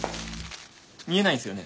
見えないっすよね？